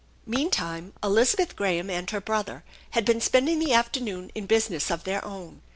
Meantime Elizabeth Graham and her brother had been spending the afternoon in business of their own.